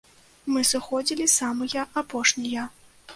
Мы сыходзілі самыя апошнія.